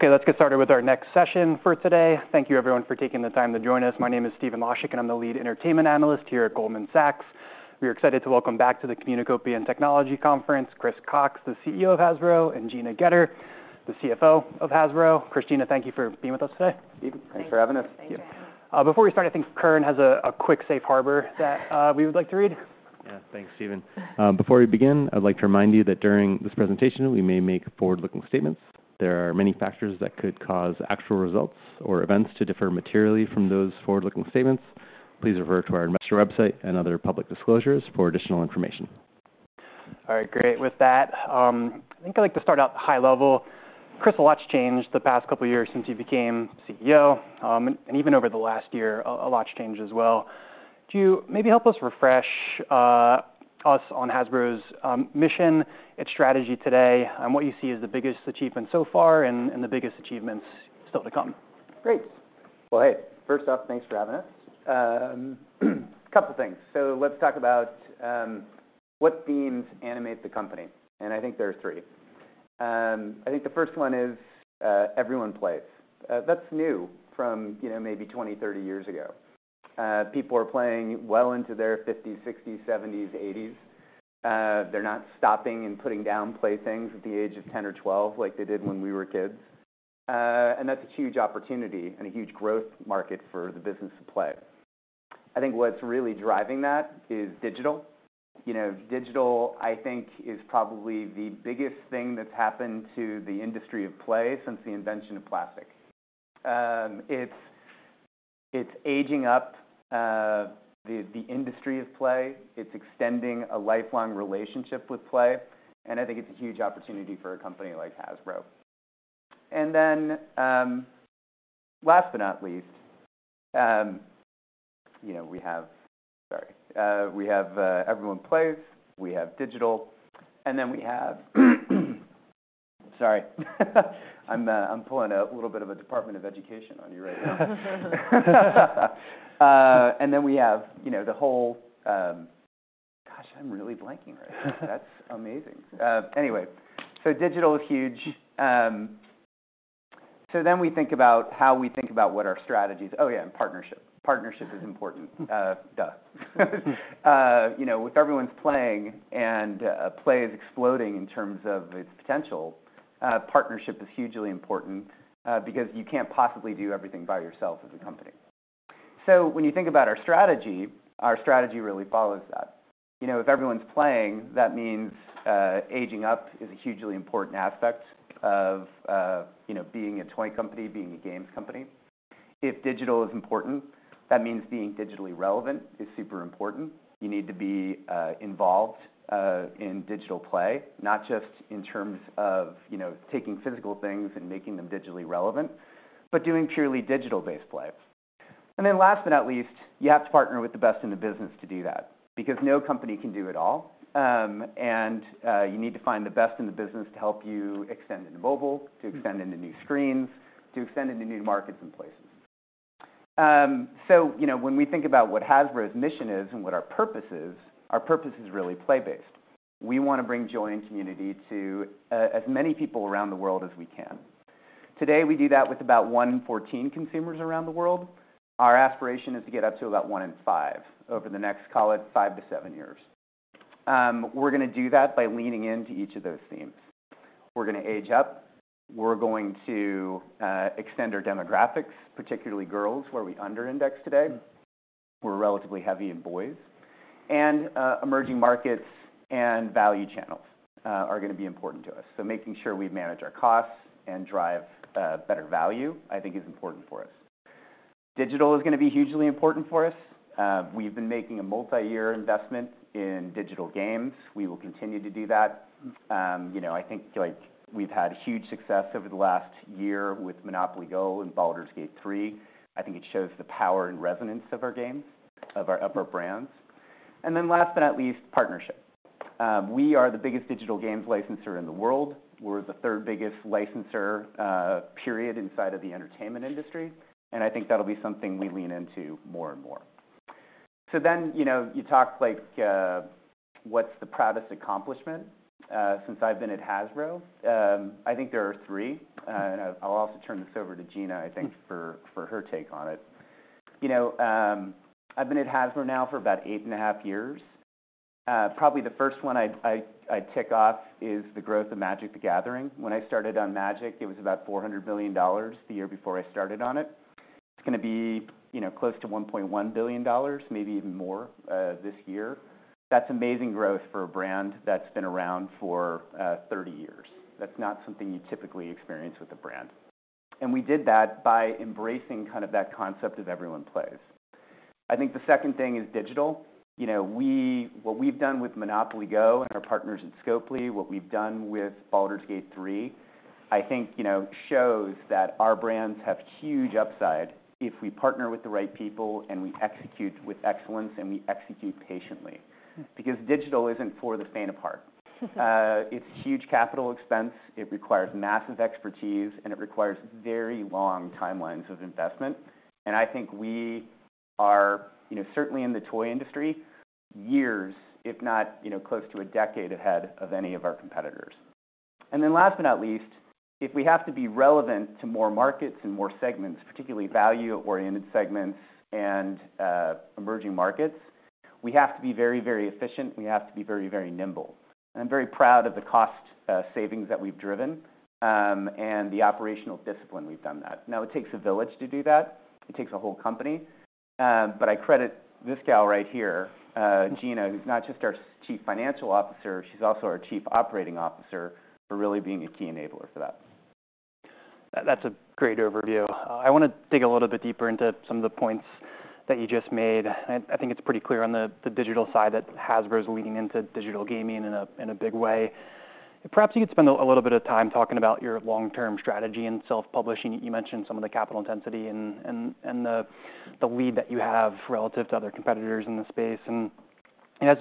Okay, let's get started with our next session for today. Thank you everyone for taking the time to join us. My name is Stephen Laszczyk, and I'm the Lead Entertainment Analyst here at Goldman Sachs. We are excited to welcome back to the Communacopia Technology Conference, Chris Cocks, the CEO of Hasbro, and Gina Goetter, the CFO of Hasbro. Chris, Gina, thank you for being with us today. Steve, thanks for having us. Thanks. Thank you. Before we start, I think Kern has a quick safe harbor that we would like to read. Yeah, thanks, Stephen. Before we begin, I'd like to remind you that during this presentation, we may make forward-looking statements. There are many factors that could cause actual results or events to differ materially from those forward-looking statements. Please refer to our investor website and other public disclosures for additional information. All right, great. With that, I think I'd like to start out high level. Chris, a lot's changed the past couple of years since you became CEO, and even over the last year, a lot's changed as well. Could you maybe help us refresh us on Hasbro's mission, its strategy today, and what you see as the biggest achievement so far and the biggest achievements still to come? Great. Well, hey, first off, thanks for having us. Couple things. So let's talk about what themes animate the company, and I think there are three. I think the first one is everyone plays. That's new from, you know, maybe twenty, thirty years ago. People are playing well into their50s, 60s, 70s, 80s. They're not stopping and putting down playthings at the age of 10 or 12 like they did when we were kids. And that's a huge opportunity and a huge growth market for the business of play. I think what's really driving that is digital. You know, digital, I think, is probably the biggest thing that's happened to the industry of play since the invention of plastic. It's aging up the industry of play. It's extending a lifelong relationship with play, and I think it's a huge opportunity for a company like Hasbro, and then last but not least, you know, we have... Sorry. We have everyone plays, we have digital, and then we have - Sorry. I'm pulling a little bit of a Department of Education on you right now, and then we have, you know, the whole... Gosh, I'm really blanking right now. That's amazing. Anyway, so digital is huge, so then we think about how we think about what our strategies - Oh, yeah, and partnership. Partnership is important. Duh. You know, with everyone's playing and, play is exploding in terms of its potential, partnership is hugely important, because you can't possibly do everything by yourself as a company. So when you think about our strategy, our strategy really follows that. You know, if everyone's playing, that means, aging up is a hugely important aspect of, you know, being a toy company, being a games company. If digital is important, that means being digitally relevant is super important. You need to be, involved, in digital play, not just in terms of, you know, taking physical things and making them digitally relevant, but doing purely digital-based play, and then last but not least, you have to partner with the best in the business to do that, because no company can do it all. You need to find the best in the business to help you extend into mobile, to extend into new screens, to extend into new markets and places. So, you know, when we think about what Hasbro's mission is and what our purpose is, our purpose is really play-based. We want to bring joy and community to as many people around the world as we can. Today, we do that with about one in 14 consumers around the world. Our aspiration is to get up to about one in five over the next, call it five to seven years. We're going to do that by leaning into each of those themes. We're going to age up, we're going to extend our demographics, particularly girls, where we under index today. We're relatively heavy in boys. Emerging markets and value channels are going to be important to us, so making sure we manage our costs and drive better value, I think is important for us. Digital is going to be hugely important for us. We've been making a multi-year investment in digital games. We will continue to do that. You know, I think, like, we've had huge success over the last year with Monopoly Go! and Baldur's Gate 3. I think it shows the power and resonance of our game, of our IP brands, and then last but not least, partnership. We are the biggest digital games licensor in the world. We're the third biggest licensor, period, inside of the entertainment industry, and I think that'll be something we lean into more and more, so then, you know, you talked like, what's the proudest accomplishment? Since I've been at Hasbro, I think there are three. And I'll also turn this over to Gina, I think, for her take on it. You know, I've been at Hasbro now for about eight and a half years. Probably the first one I'd tick off is the growth of Magic: The Gathering. When I started on Magic, it was about $400 million the year before I started on it. It's going to be, you know, close to $1.1 billion, maybe even more, this year. That's amazing growth for a brand that's been around for 30 years. That's not something you typically experience with a brand. And we did that by embracing kind of that concept of everyone plays. I think the second thing is digital. You know, what we've done with Monopoly Go! And our partners at Scopely, what we've done with Baldur's Gate 3, I think, you know, shows that our brands have huge upside if we partner with the right people, and we execute with excellence, and we execute patiently. Mm. Because digital isn't for the faint of heart. It's huge capital expense, it requires massive expertise, and it requires very long timelines of investment. And I think we are, you know, certainly in the toy industry, years, if not, you know, close to a decade ahead of any of our competitors. And then last but not least, if we have to be relevant to more markets and more segments, particularly value-oriented segments and, emerging markets, we have to be very, very efficient, and we have to be very, very nimble. And I'm very proud of the cost, savings that we've driven, and the operational discipline we've done that. Now it takes a village to do that. It takes a whole company. But I credit this gal right here, Gina, who's not just our Chief Financial Officer, she's also our Chief Operating Officer, for really being a key enabler for that. That, that's a great overview. I want to dig a little bit deeper into some of the points that you just made. I think it's pretty clear on the digital side that Hasbro is leaning into digital gaming in a big way. Perhaps you could spend a little bit of time talking about your long-term strategy in self-publishing. You mentioned some of the capital intensity and the lead that you have relative to other competitors in the space. And as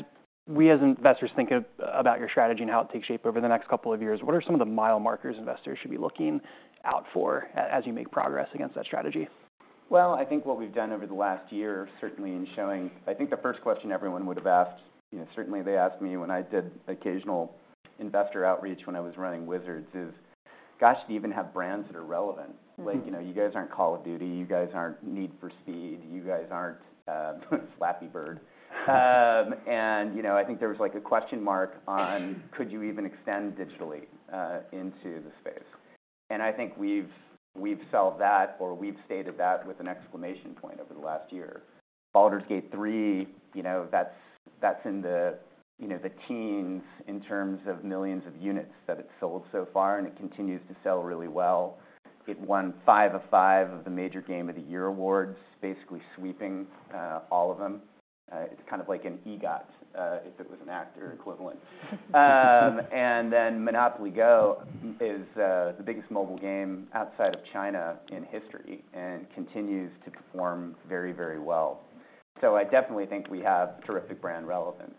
we, as investors, think about your strategy and how it takes shape over the next couple of years, what are some of the mile markers investors should be looking out for as you make progress against that strategy? I think what we've done over the last year, certainly in showing... I think the first question everyone would have asked, you know, certainly they asked me when I did occasional investor outreach when I was running Wizards, is, "Gosh, do you even have brands that are relevant? Mm-hmm. Like, you know, "You guys aren't Call of Duty, you guys aren't Need for Speed, you guys aren't Flappy Bird." And you know, I think there was, like, a question mark on, could you even extend digitally into the space? And I think we've solved that, or we've stated that with an exclamation point over the last year. Baldur's Gate 3, you know, that's in the, you know, the teens in terms of millions of units that it's sold so far, and it continues to sell really well. It won five of five of the major Game of the Year awards, basically sweeping all of them. It's kind of like an EGOT, if it was an actor equivalent. And then Monopoly Go! is the biggest mobile game outside of China in history and continues to perform very, very well. So I definitely think we have terrific brand relevance.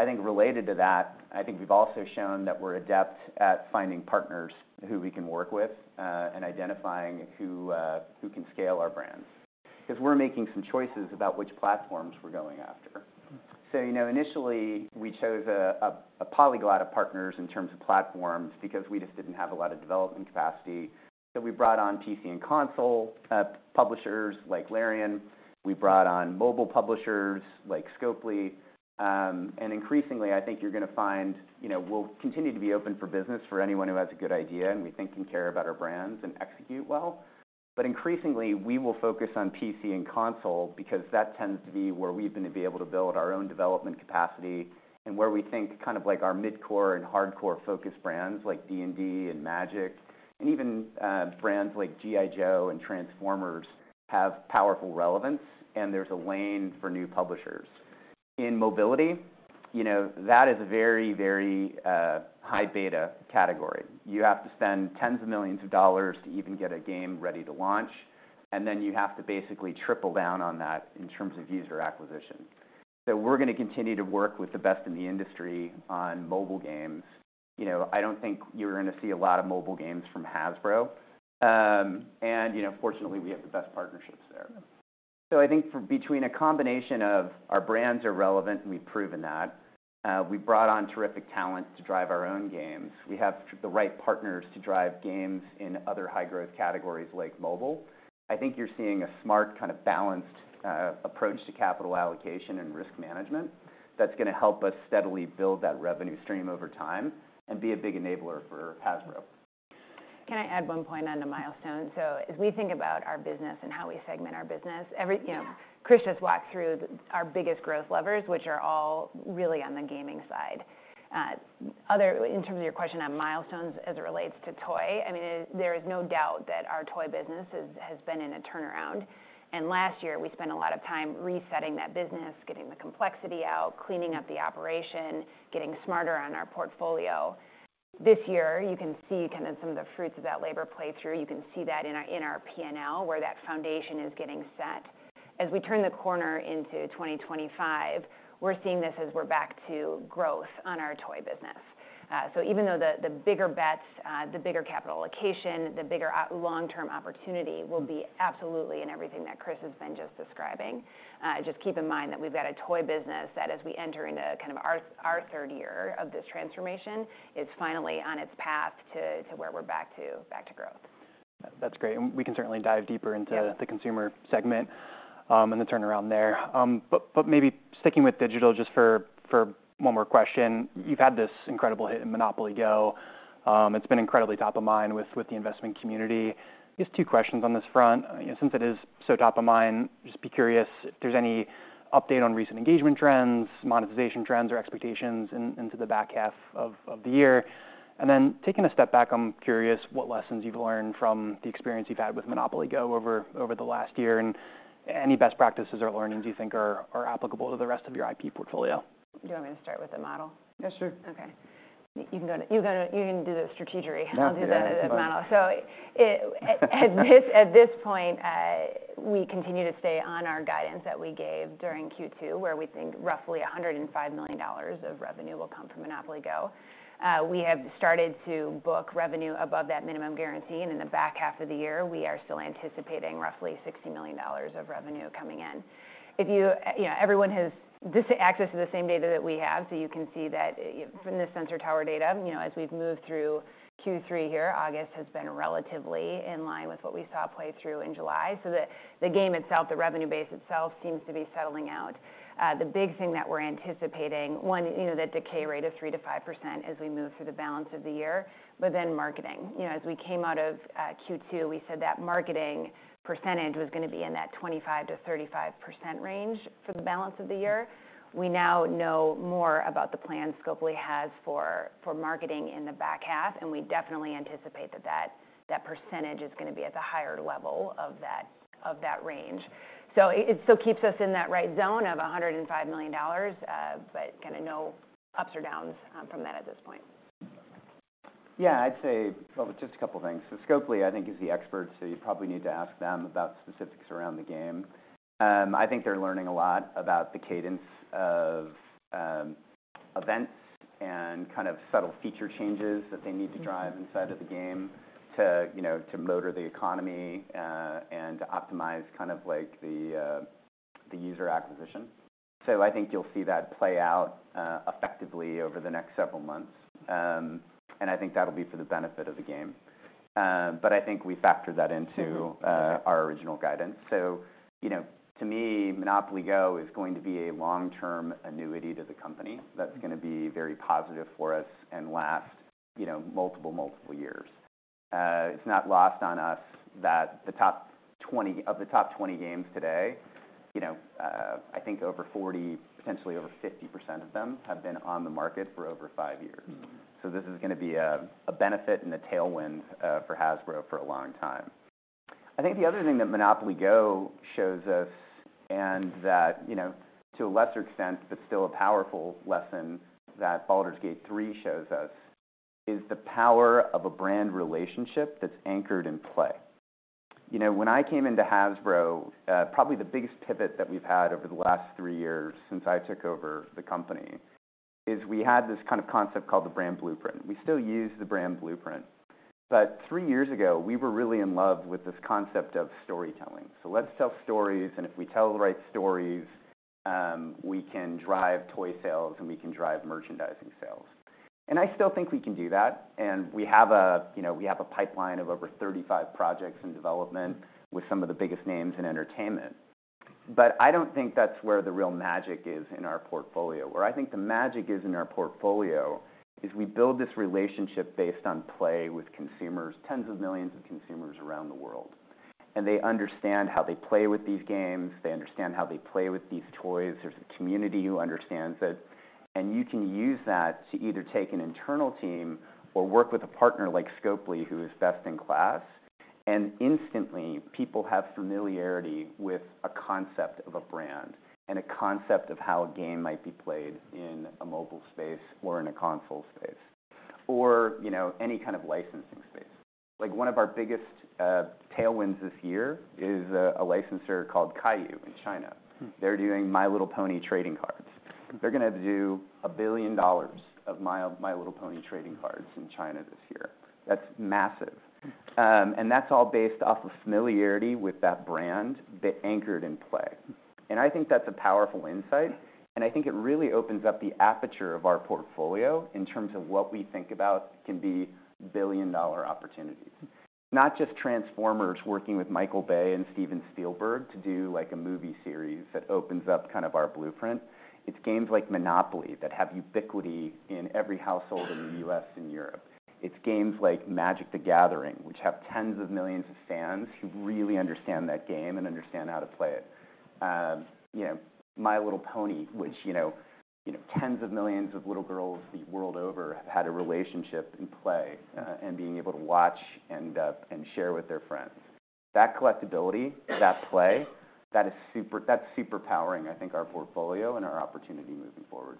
I think related to that, I think we've also shown that we're adept at finding partners who we can work with, and identifying who can scale our brands, because we're making some choices about which platforms we're going after. So you know, initially, we chose a polyglot of partners in terms of platforms because we just didn't have a lot of development capacity. So we brought on PC and console publishers like Larian, we brought on mobile publishers like Scopely, and increasingly, I think you're gonna find, you know, we'll continue to be open for business for anyone who has a good idea, and we think can care about our brands and execute well. But increasingly, we will focus on PC and console because that tends to be where we're going to be able to build our own development capacity and where we think kind of like our mid-core and hardcore focused brands, like D&D and Magic, and even brands like G.I. Joe and Transformers, have powerful relevance, and there's a lane for new publishers. In mobility, you know, that is a very, very high beta category. You have to spend tens of millions of dollars to even get a game ready to launch, and then you have to basically triple down on that in terms of user acquisition. So we're gonna continue to work with the best in the industry on mobile games. You know, I don't think you're gonna see a lot of mobile games from Hasbro. And you know, fortunately, we have the best partnerships there. I think between a combination of our brands are relevant, and we've proven that, we brought on terrific talent to drive our own games. We have the right partners to drive games in other high-growth categories like mobile. I think you're seeing a smart, kind of balanced, approach to capital allocation and risk management that's gonna help us steadily build that revenue stream over time and be a big enabler for Hasbro. Can I add one point on the milestone? So as we think about our business and how we segment our business, you know- Yeah. Chris just walked through our biggest growth levers, which are all really on the gaming side. In terms of your question on milestones as it relates to toy, I mean, there is no doubt that our toy business has been in a turnaround, and last year we spent a lot of time resetting that business, getting the complexity out, cleaning up the operation, getting smarter on our portfolio. This year, you can see kind of some of the fruits of that labor play through. You can see that in our P&L, where that foundation is getting set. As we turn the corner into twenty twenty-five, we're seeing this as we're back to growth on our toy business. So even though the bigger bets, the bigger capital allocation, the bigger longer-term opportunity will be absolutely in everything that Chris has been just describing, just keep in mind that we've got a toy business that, as we enter into kind of our third year of this transformation, it's finally on its path to where we're back to growth. That's great, and we can certainly dive deeper into. Yeah... the consumer segment, and the turnaround there. But maybe sticking with digital just for one more question. You've had this incredible hit in Monopoly Go! It's been incredibly top of mind with the investment community. Just two questions on this front. Since it is so top of mind, just be curious if there's any update on recent engagement trends, monetization trends, or expectations into the back half of the year. And then taking a step back, I'm curious what lessons you've learned from the experience you've had with Monopoly Go! over the last year, and any best practices or learnings you think are applicable to the rest of your IP portfolio? Do you want me to start with the model? Yeah, sure. Okay. You can go to, you can do the strategery. I'll do the model. So at this point, we continue to stay on our guidance that we gave during Q2, where we think roughly $105 million of revenue will come from Monopoly Go! We have started to book revenue above that minimum guarantee, and in the back half of the year, we are still anticipating roughly $60 million of revenue coming in. If you, you know, everyone has this access to the same data that we have, so you can see that, from the Sensor Tower data, you know, as we've moved through Q3 here, August has been relatively in line with what we saw play through in July. So the game itself, the revenue base itself, seems to be settling out. The big thing that we're anticipating, you know, the decay rate of 3-5% as we move through the balance of the year, but then marketing. You know, as we came out of Q2, we said that marketing percentage was gonna be in that 25%-35% range for the balance of the year. We now know more about the plan Scopely has for marketing in the back half, and we definitely anticipate that percentage is gonna be at the higher level of that range. So it still keeps us in that right zone of $105 million, but kinda no ups or downs from that at this point. Yeah, I'd say, well, just a couple things. So Scopely, I think, is the expert, so you probably need to ask them about specifics around the game. I think they're learning a lot about the cadence of events and kind of subtle feature changes that they need to drive inside of the game to, you know, to motor the economy, and to optimize kind of like the user acquisition. So I think you'll see that play out effectively over the next several months. And I think that'll be for the benefit of the game. But I think we factored that into- Mm-hmm... our original guidance. So, you know, to me, Monopoly Go! is going to be a long-term annuity to the company that's gonna be very positive for us and last, you know, multiple, multiple years. It's not lost on us that the top 20 of the top 20 games today, you know, I think over 40, potentially over 50% of them, have been on the market for over five years. Mm-hmm. So this is gonna be a benefit and a tailwind for Hasbro for a long time. I think the other thing that Monopoly Go! shows us, and that, you know, to a lesser extent, but still a powerful lesson that Baldur's Gate 3 shows us, is the power of a brand relationship that's anchored in play. You know, when I came into Hasbro, probably the biggest pivot that we've had over the last three years since I took over the company, is we had this kind of concept called the Brand Blueprint. We still use the Brand Blueprint, but three years ago, we were really in love with this concept of storytelling. So let's tell stories, and if we tell the right stories, we can drive toy sales, and we can drive merchandising sales. I still think we can do that, and we have, you know, a pipeline of over 35 projects in development with some of the biggest names in entertainment. But I don't think that's where the real magic is in our portfolio. Where I think the magic is in our portfolio is we build this relationship based on play with consumers, tens of millions of consumers around the world, and they understand how they play with these games. They understand how they play with these toys. There's a community who understands it, and you can use that to either take an internal team or work with a partner like Scopely, who is best in class, and instantly people have familiarity with a concept of a brand and a concept of how a game might be played in a mobile space or in a console space, or, you know, any kind of licensing space. Like, one of our biggest tailwinds this year is a licenser called Kayou in China. Mm. They're doing My Little Pony trading cards. They're gonna do $1 billion of My Little Pony trading cards in China this year. That's massive, and that's all based off of familiarity with that brand, that anchored in play. And I think that's a powerful insight, and I think it really opens up the aperture of our portfolio in terms of what we think about can be billion-dollar opportunities, not just Transformers, working with Michael Bay and Steven Spielberg to do, like, a movie series that opens up kind of our blueprint. It's games like Monopoly that have ubiquity in every household in the U.S. and Europe. It's games like Magic: The Gathering, which have tens of millions of fans who really understand that game and understand how to play it. You know, My Little Pony, which, you know, tens of millions of little girls the world over have had a relationship in play, and being able to watch and share with their friends. That collectibility, that play, that is super powering, I think, our portfolio and our opportunity moving forward.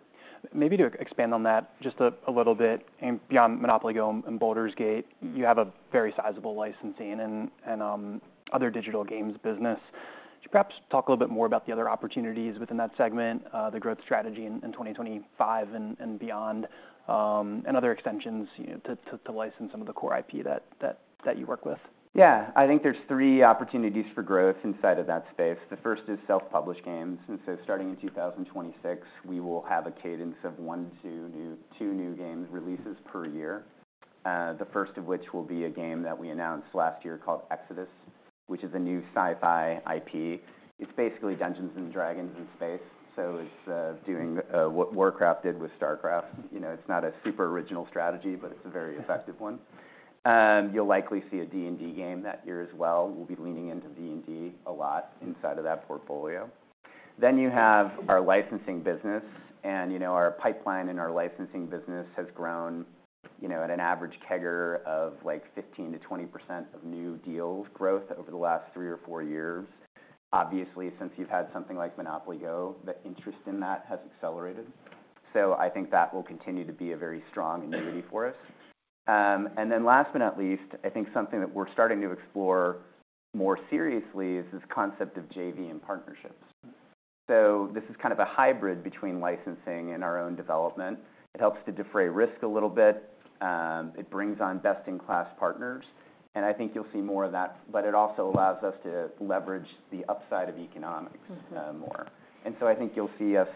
Maybe to expand on that just a little bit, and beyond Monopoly Go! and Baldur's Gate, you have a very sizable licensing and other digital games business. Could you perhaps talk a little bit more about the other opportunities within that segment, the growth strategy in twenty twenty-five and beyond, and other extensions, you know, to license some of the core IP that you work with? Yeah. I think there's three opportunities for growth inside of that space. The first is self-published games, and so starting in two thousand twenty-six, we will have a cadence of one to two new games releases per year, the first of which will be a game that we announced last year called Exodus, which is a new sci-fi IP. It's basically Dungeons and Dragons in space, so it's doing what Warcraft did with StarCraft. You know, it's not a super original strategy, but it's a very effective one. You'll likely see a D&D game that year as well. We'll be leaning into D&D a lot inside of that portfolio. Then you have our licensing business, and, you know, our pipeline and our licensing business has grown, you know, at an average CAGR of, like, 15%-20% of new deals growth over the last three or four years. Obviously, since you've had something like Monopoly Go!, the interest in that has accelerated. So I think that will continue to be a very strong annuity for us. And then last but not least, I think something that we're starting to explore more seriously is this concept of JV and partnerships. So this is kind of a hybrid between licensing and our own development. It helps to defray risk a little bit. It brings on best-in-class partners, and I think you'll see more of that, but it also allows us to leverage the upside of economics more. Mm-hmm. And so I think you'll see us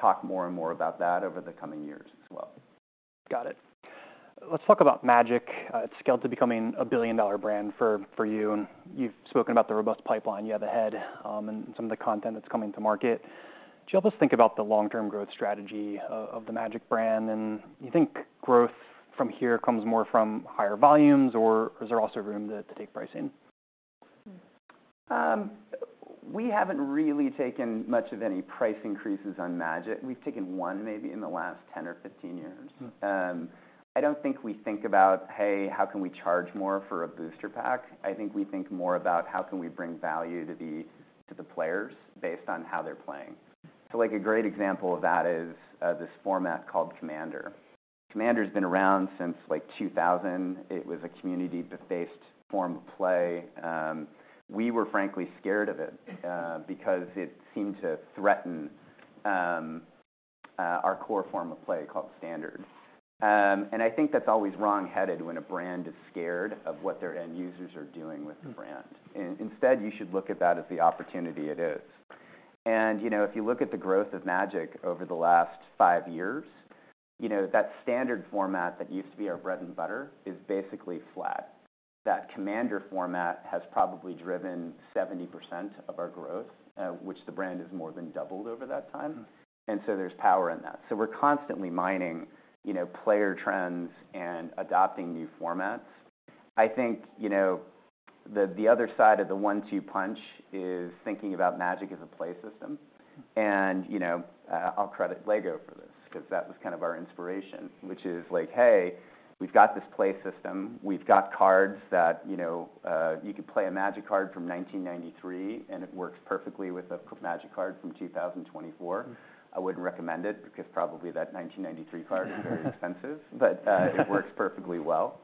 talk more and more about that over the coming years as well. Got it. Let's talk about Magic. It's scaled to becoming a billion-dollar brand for you, and you've spoken about the robust pipeline you have ahead, and some of the content that's coming to market. Do you help us think about the long-term growth strategy of the Magic brand, and you think growth from here comes more from higher volumes, or is there also room to take pricing? We haven't really taken much of any price increases on Magic. We've taken one maybe in the last 10 or 15 years. Mm-hmm. I don't think we think about, "Hey, how can we charge more for a booster pack?" I think we think more about: how can we bring value to the players based on how they're playing? So, like, a great example of that is this format called Commander. Commander's been around since, like, 2000. It was a community-based form of play. We were frankly scared of it because it seemed to threaten our core form of play called Standard. And I think that's always wrong-headed when a brand is scared of what their end users are doing with the brand. Mm. Instead, you should look at that as the opportunity it is. You know, if you look at the growth of Magic over the last five years, you know, that Standard format that used to be our bread and butter is basically flat. That Commander format has probably driven 70% of our growth, which the brand has more than doubled over that time. Mm. And so there's power in that. So we're constantly mining, you know, player trends and adopting new formats. I think, you know, the, the other side of the one-two punch is thinking about Magic as a play system. And, you know, I'll credit LEGO for this, 'cause that was kind of our inspiration, which is like, "Hey, we've got this play system. We've got cards that, you know, you could play a Magic card from nineteen ninety-three, and it works perfectly with a Magic card from 2024. Mm. I wouldn't recommend it, because probably that 1993 card is very expensive. But it works perfectly well.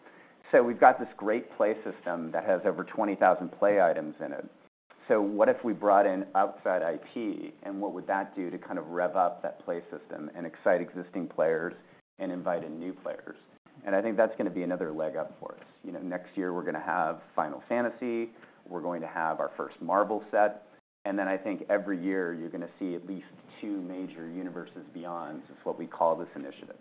So we've got this great play system that has over 20,000 play items in it. So what if we brought in outside IP, and what would that do to kind of rev up that play system and excite existing players and invite in new players? And I think that's gonna be another leg up for us. You know, next year we're gonna have Final Fantasy. We're going to have our first Marvel set, and then I think every year you're gonna see at least two major Universes Beyond, is what we call this initiative.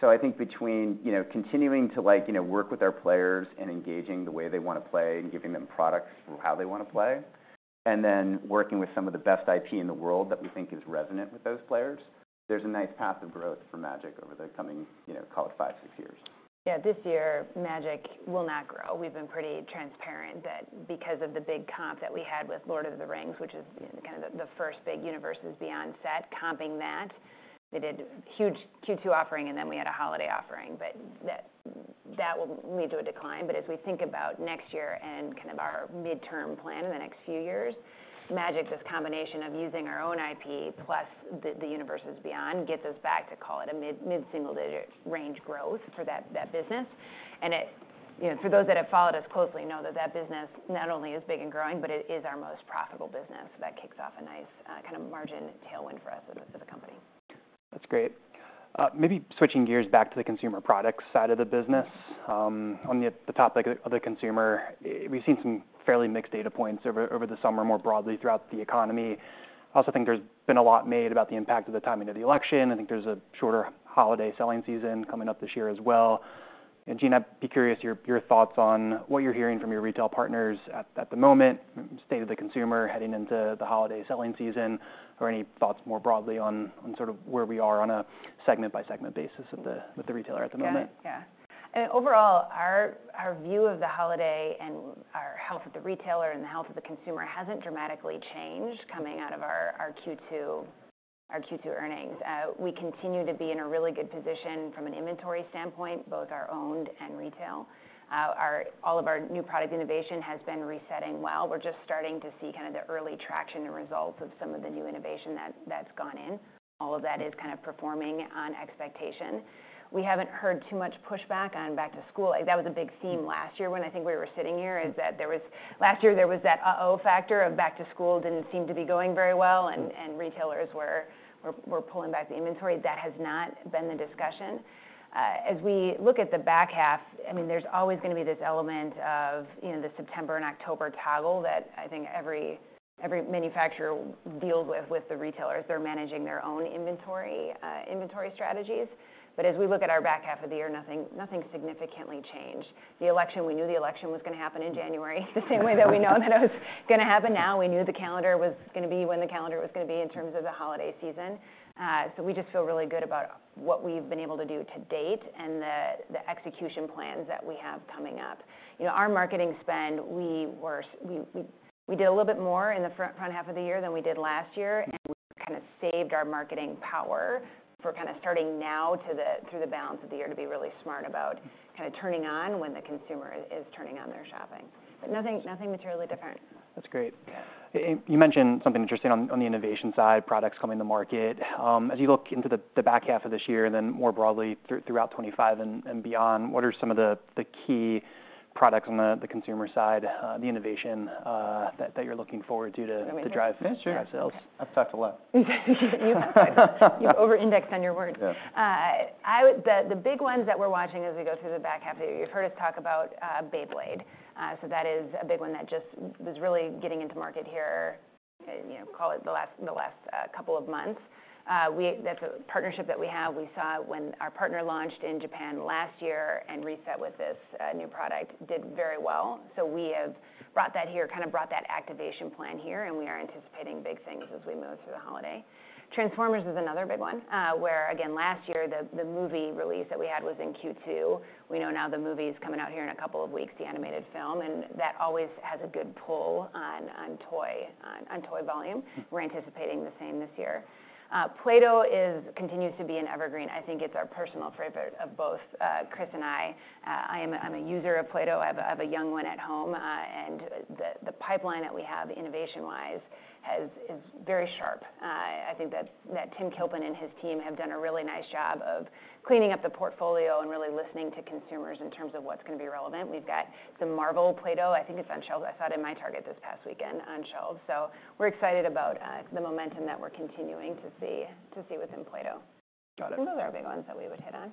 So I think between, you know, continuing to like, you know, work with our players and engaging the way they wanna play and giving them products for how they wanna play, and then working with some of the best IP in the world that we think is resonant with those players, there's a nice path of growth for Magic over the coming, you know, call it five, six years. Yeah, this year, Magic will not grow. We've been pretty transparent that because of the big comp that we had with Lord of the Rings, which is, you know, kind of the first big Universes Beyond set, comping that, they did a huge Q2 offering, and then we had a holiday offering. But that will lead to a decline, but as we think about next year and kind of our midterm plan in the next few years, Magic, this combination of using our own IP plus the Universes Beyond, gets us back to call it a mid-single-digit range growth for that business. And it... You know, for those that have followed us closely know that that business not only is big and growing, but it is our most profitable business, so that kicks off a nice, kind of margin tailwind for us as a company. That's great. Maybe switching gears back to the Consumer Products side of the business. Mm-hmm. On the topic of the consumer, we've seen some fairly mixed data points over the summer, more broadly throughout the economy. I also think there's been a lot made about the impact of the timing of the election. I think there's a shorter holiday selling season coming up this year as well, and Gina, I'd be curious your thoughts on what you're hearing from your retail partners at the moment, state of the consumer heading into the holiday selling season, or any thoughts more broadly on sort of where we are on a segment-by-segment basis with the retailer at the moment? Yeah. Yeah. And overall, our view of the holiday and our health of the retailer and the health of the consumer hasn't dramatically changed coming out of our Q2 earnings. We continue to be in a really good position from an inventory standpoint, both our owned and retail. All of our new product innovation has been resetting well. We're just starting to see kind of the early traction and results of some of the new innovation that's gone in. All of that is kind of performing on expectation. We haven't heard too much pushback on back to school. Like, that was a big theme last year when I think we were sitting here, is that there was... Last year, there was that uh-oh factor of back to school didn't seem to be going very well, and retailers were pulling back the inventory. That has not been the discussion. As we look at the back half, I mean, there's always gonna be this element of, you know, the September and October toggle that I think every manufacturer deals with the retailers. They're managing their own inventory strategies. But as we look at our back half of the year, nothing significantly changed. The election, we knew the election was gonna happen in January, the same way that we know that it was gonna happen now. We knew the calendar was gonna be when the calendar was gonna be in terms of the holiday season. So we just feel really good about what we've been able to do to date and the execution plans that we have coming up. You know, our marketing spend. We did a little bit more in the front half of the year than we did last year, and-... saved our marketing power for kind of starting now to the, through the balance of the year, to be really smart about kind of turning on when the consumer is turning on their shopping. But nothing materially different. That's great. And you mentioned something interesting on the innovation side, products coming to market. As you look into the back half of this year, and then more broadly, throughout 2025 and beyond, what are some of the key products on the consumer side, the innovation that you're looking forward to? I mean- Drive, yeah, sure, drive sales? I've talked a lot. You over-indexed on your words. Yeah. The big ones that we're watching as we go through the back half of the year, you've heard us talk about, Beyblade. So that is a big one that just is really getting into market here, you know, call it the last couple of months. That's a partnership that we have. We saw it when our partner launched in Japan last year, and reset with this new product, did very well. So we have brought that here, kind of brought that activation plan here, and we are anticipating big things as we move through the holiday. Transformers is another big one, where, again, last year, the movie release that we had was in Q2. We know now the movie is coming out here in a couple of weeks, the animated film, and that always has a good pull on toy volume. We're anticipating the same this year. Play-Doh continues to be an evergreen. I think it's our personal favorite of both, Chris and I. I am a user of Play-Doh. I have a young one at home, and the pipeline that we have, innovation-wise, is very sharp. I think that Tim Kilpin and his team have done a really nice job of cleaning up the portfolio and really listening to consumers in terms of what's gonna be relevant. We've got the Marvel Play-Doh, I think it's on shelves. I saw it in my Target this past weekend, on shelves. We're excited about the momentum that we're continuing to see within Play-Doh. Got it. Those are our big ones that we would hit on.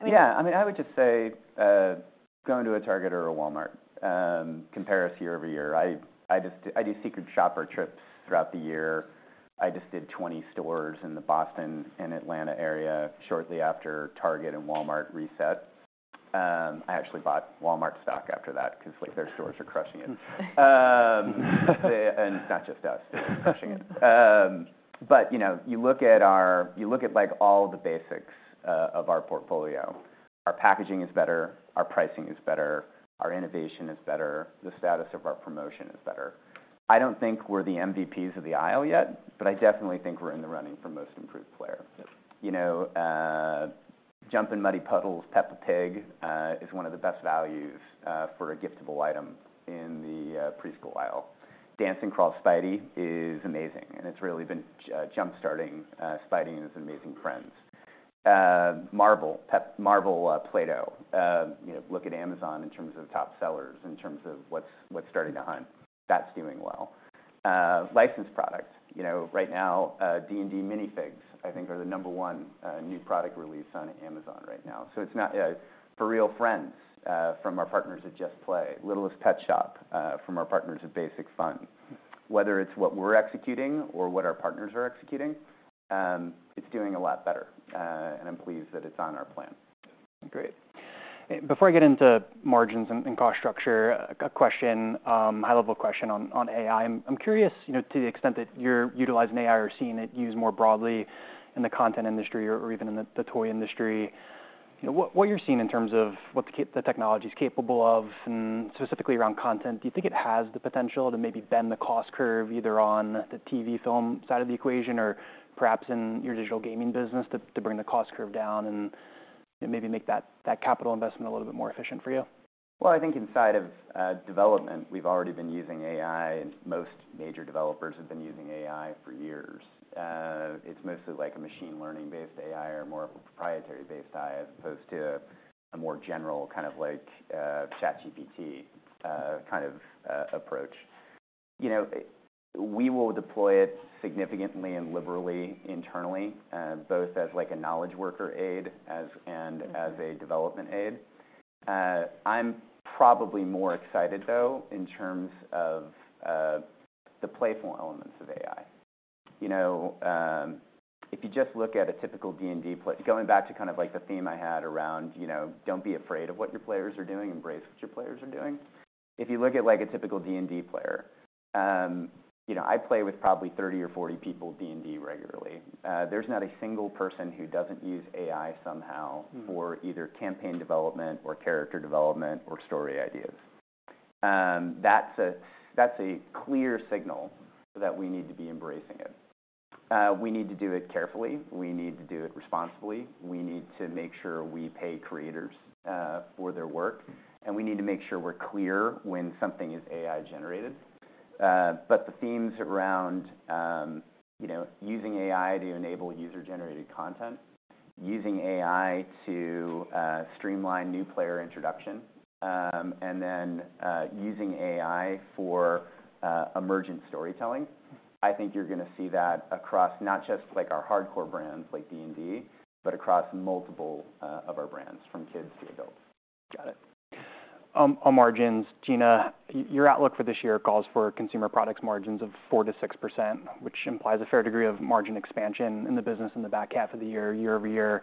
I mean- Yeah, I mean, I would just say, going to a Target or a Walmart, compare us year over year. I just do secret shopper trips throughout the year. I just did twenty stores in the Boston and Atlanta area shortly after Target and Walmart reset. I actually bought Walmart stock after that because, like, their stores are crushing it. And it's not just us, they're crushing it. But, you know, you look at, like, all the basics of our portfolio. Our packaging is better, our pricing is better, our innovation is better, the status of our promotion is better. I don't think we're the MVPs of the aisle yet, but I definitely think we're in the running for most improved player. Yeah. You know, Jumping in Muddy Puddles Peppa Pig is one of the best values for a giftable item in the preschool aisle. Dance 'N Crawl Spidey is amazing, and it's really been jump-starting Spidey and His Amazing Friends. Marvel Play-Doh, you know, look at Amazon in terms of top sellers, in terms of what's starting to hunt. That's doing well. Licensed products, you know, right now, D&D Minifigs, I think, are the number one new product release on Amazon right now. So it's not... furReal Friends from our partners at Just Play, Littlest Pet Shop from our partners at Basic Fun. Whether it's what we're executing or what our partners are executing, it's doing a lot better, and I'm pleased that it's on our plan. Great. Before I get into margins and, and cost structure, a question, high-level question on, on AI. I'm curious, you know, to the extent that you're utilizing AI or seeing it used more broadly in the content industry or even in the toy industry, you know, what you're seeing in terms of what the technology is capable of and specifically around content? Do you think it has the potential to maybe bend the cost curve, either on the TV film side of the equation, or perhaps in your digital gaming business, to bring the cost curve down and maybe make that capital investment a little bit more efficient for you? I think inside of development, we've already been using AI, and most major developers have been using AI for years. It's mostly like a machine learning-based AI or more of a proprietary-based AI, as opposed to a more general, kind of like ChatGPT kind of approach. You know, we will deploy it significantly and liberally internally, both as like a knowledge worker aid, as and as a development aid. I'm probably more excited, though, in terms of the playful elements of AI. You know, if you just look at a typical D&D going back to kind of like the theme I had around, you know, don't be afraid of what your players are doing, embrace what your players are doing. If you look at, like, a typical D&D player, you know, I play with probably thirty or forty people D&D regularly, there's not a single person who doesn't use AI somehow. Mm... for either campaign development or character development or story ideas. That's a clear signal that we need to be embracing it. We need to do it carefully, we need to do it responsibly, we need to make sure we pay creators for their work, and we need to make sure we're clear when something is AI-generated. But the themes around, you know, using AI to enable user-generated content, using AI to streamline new player introduction, and then using AI for emergent storytelling, I think you're gonna see that across not just like our hardcore brands, like D&D, but across multiple of our brands, from kids to adults. Got it. On margins, Gina, your outlook for this year calls for consumer products margins of 4%-6%, which implies a fair degree of margin expansion in the business in the back half of the year, year over year.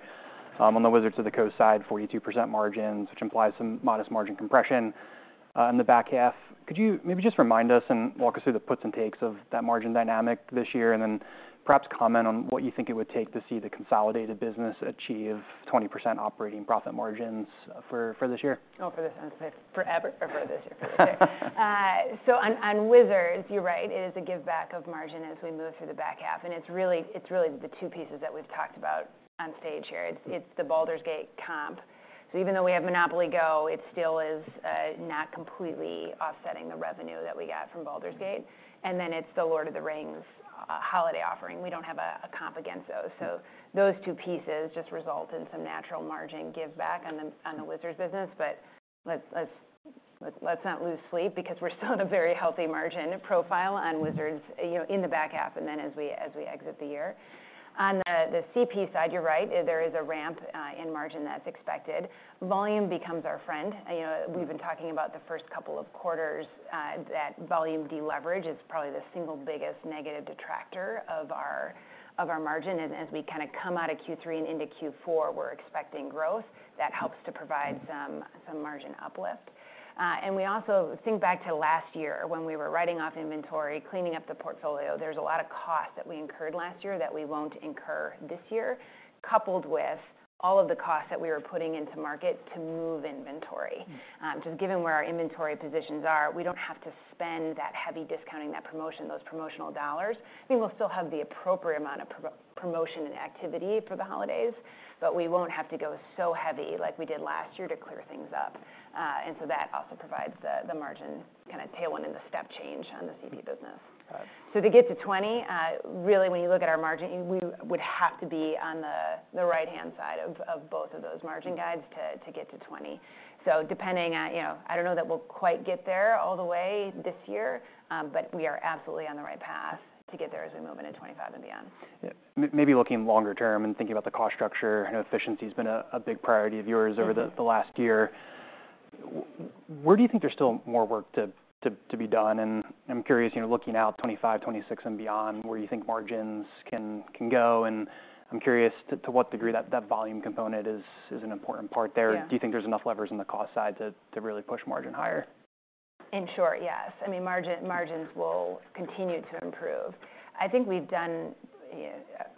On the Wizards of the Coast side, 42% margins, which implies some modest margin compression in the back half. Could you maybe just remind us and walk us through the puts and takes of that margin dynamic this year, and then perhaps comment on what you think it would take to see the consolidated business achieve 20% operating profit margins for this year? Oh, for this, forever, or for this year. So on Wizards, you're right, it is a giveback of margin as we move through the back half, and it's really the two pieces that we've talked about on stage here. It's the Baldur's Gate comp. So even though we have Monopoly Go, it still is not completely offsetting the revenue that we got from Baldur's Gate. And then it's the Lord of the Rings holiday offering. We don't have a comp against those. So those two pieces just result in some natural margin giveback on the Wizards business. But let's not lose sleep because we're still at a very healthy margin profile on Wizards, you know, in the back half, and then as we exit the year. On the CP side, you're right. There is a ramp in margin that's expected. Volume becomes our friend. You know, we've been talking about the first couple of quarters that volume deleverage is probably the single biggest negative detractor of our margin, and as we kind of come out of Q3 and into Q4, we're expecting growth. That helps to provide some margin uplift, and we also think back to last year when we were writing off inventory, cleaning up the portfolio. There's a lot of costs that we incurred last year that we won't incur this year, coupled with all of the costs that we were putting into market to move inventory, so given where our inventory positions are, we don't have to spend that heavy discounting, that promotion, those promotional dollars. We will still have the appropriate amount of promotion and activity for the holidays, but we won't have to go so heavy like we did last year to clear things up, and so that also provides the margin kind of tailwind and the step change on the CP business. Got it. So to get to twenty, really, when you look at our margin, we would have to be on the right-hand side of both of those margin guides to get to twenty. So depending on, you know, I don't know that we'll quite get there all the way this year, but we are absolutely on the right path to get there as we move into twenty-five and beyond. Yeah. Maybe looking longer term and thinking about the cost structure, I know efficiency's been a big priority of yours- Mm-hmm... over the last year. Where do you think there's still more work to be done? And I'm curious, you know, looking out 2025, 2026 and beyond, where you think margins can go, and I'm curious to what degree that volume component is an important part there. Yeah. Do you think there's enough levers on the cost side to really push margin higher? In short, yes. I mean, margins will continue to improve. I think we've done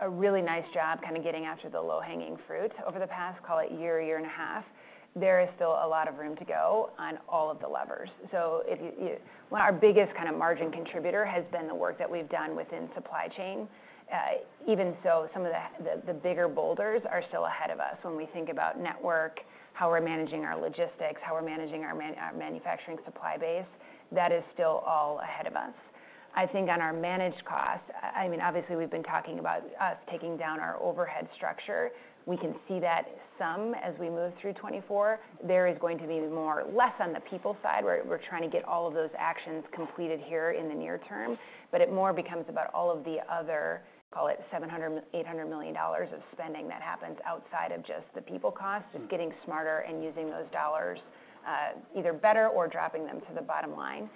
a really nice job kind of getting after the low-hanging fruit over the past, call it a year and a half. There is still a lot of room to go on all of the levers. Well, our biggest kind of margin contributor has been the work that we've done within supply chain. Even so, some of the bigger boulders are still ahead of us. When we think about network, how we're managing our logistics, how we're managing our manufacturing supply base, that is still all ahead of us. I think on our managed costs, I mean, obviously, we've been talking about us taking down our overhead structure. We can see that some as we move through 2024. There is going to be more or less on the people side, where we're trying to get all of those actions completed here in the near term, but it more becomes about all of the other, call it $700-$800 million of spending that happens outside of just the people cost- Mm-hmm... just getting smarter and using those dollars, either better or dropping them to the bottom line.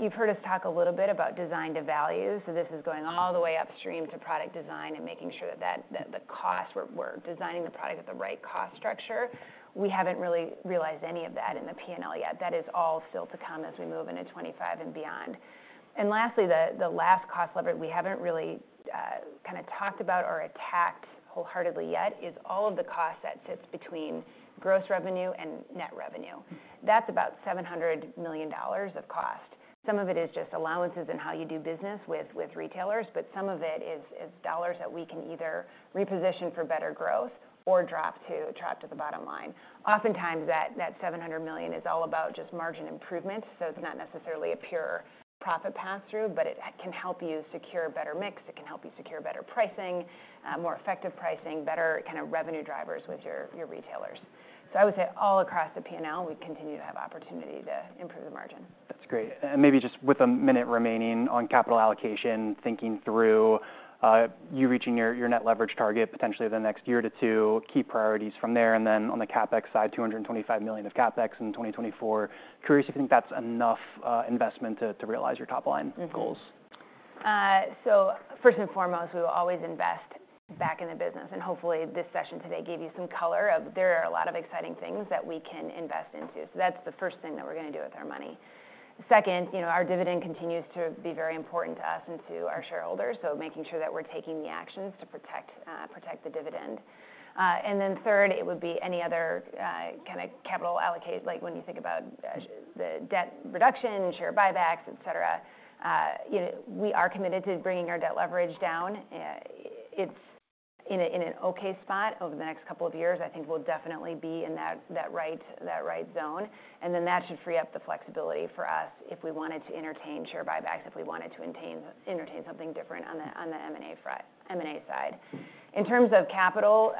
You've heard us talk a little bit about Design to Value, so this is going all the way upstream to product design and making sure that the costs were designing the product at the right cost structure. We haven't really realized any of that in the P&L yet. That is all still to come as we move into twenty-five and beyond. And lastly, the last cost lever we haven't really kind of talked about or attacked wholeheartedly yet is all of the cost that sits between gross revenue and net revenue. Mm-hmm. That's about $700 million of cost. Some of it is just allowances in how you do business with retailers, but some of it is dollars that we can either reposition for better growth or drop to the bottom line. Oftentimes, that $700 million is all about just margin improvement, so it's not necessarily a pure profit pass-through, but it can help you secure better mix, it can help you secure better pricing, more effective pricing, better kind of revenue drivers with your retailers. So I would say all across the P&L, we continue to have opportunity to improve the margin. That's great. Maybe just with a minute remaining on capital allocation, thinking through you reaching your net leverage target potentially the next year to two key priorities from there. Then on the CapEx side, $225 million of CapEx in 2024. Curious if you think that's enough investment to realize your top-line goals. So first and foremost, we will always invest back in the business, and hopefully, this session today gave you some color of there are a lot of exciting things that we can invest into. So that's the first thing that we're gonna do with our money. Second, you know, our dividend continues to be very important to us and to our shareholders, so making sure that we're taking the actions to protect the dividend. And then third, it would be any other kind of capital allocation, like when you think about the debt reduction, share buybacks, et cetera. You know, we are committed to bringing our debt leverage down. It's in an okay spot over the next couple of years. I think we'll definitely be in that right zone, and then that should free up the flexibility for us if we wanted to entertain share buybacks, if we wanted to entertain something different on the M&A side. In terms of capital,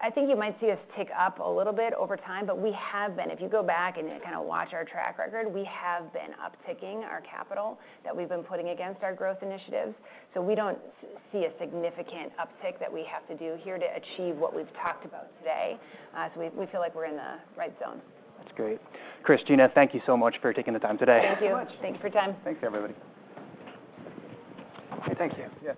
I think you might see us tick up a little bit over time, but we have been... If you go back and kind of watch our track record, we have been upticking our capital that we've been putting against our growth initiatives, so we don't see a significant uptick that we have to do here to achieve what we've talked about today. So we feel like we're in the right zone. That's great. Gina, thank you so much for taking the time today. Thank you. Thanks so much. Thank you for your time. Thanks, everybody. Thank you. Yes.